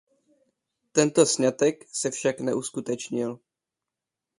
Tento sňatek se však neuskutečnil.